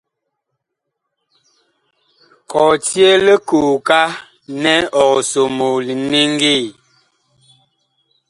Kɔtye likooka nɛ ɔg somoo liniŋgi.